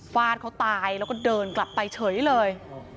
ฟาดเขาตายแล้วก็เดินกลับไปเฉยเลย